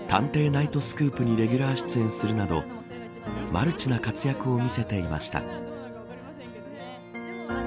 ナイトスクープにレギュラー出演するなどマルチな活躍を見せていました。